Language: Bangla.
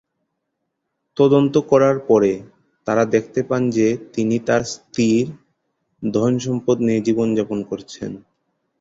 তদন্ত করার পরে, তারা দেখতে পান যে তিনি তার "স্ত্রীর" ধন-সম্পদ নিয়ে জীবনযাপন করছেন।